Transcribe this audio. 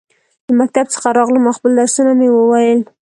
د مکتب څخه راغلم ، او خپل درسونه مې وویل.